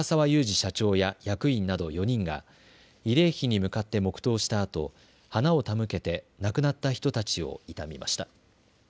社長や役員など４人が慰霊碑に向かって黙とうしたあと、花を手向けて亡くなった人たちを悼みました。